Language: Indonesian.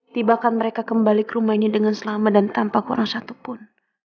tibahkan mereka kembali ke rumah ini dengan selama dan tanpa kurang satu pun